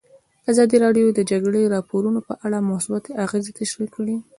ازادي راډیو د د جګړې راپورونه په اړه مثبت اغېزې تشریح کړي.